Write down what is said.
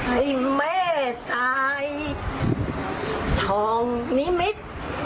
ไอ้แม่สายทองนิมิตร